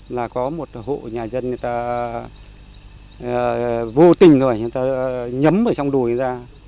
hai nghìn một mươi năm là có một hộ nhà dân người ta vô tình rồi người ta nhấm ở trong đùi ra